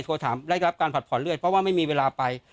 ถามได้รับการผัดผ่อนเลือดเพราะว่าไม่มีเวลาไป